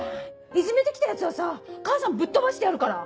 いじめて来たヤツはさ母さんぶっ飛ばしてやるから。